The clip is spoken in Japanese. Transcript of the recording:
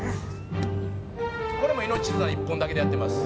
「これも命綱１本だけでやってます」